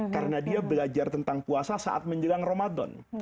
karena dia belajar tentang puasa saat menjelang ramadan